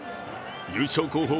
優勝候補